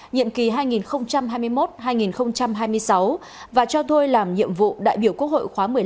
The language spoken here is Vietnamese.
nhiệm kỳ hai nghìn hai mươi một hai nghìn hai mươi sáu và cho thôi làm nhiệm vụ đại biểu quốc hội khóa một mươi năm